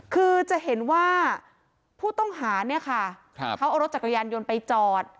คือจะเห็นว่าผู้ต้องหาเนี่ยค่ะเขาเอารถจักรยานยนต์ไปจอด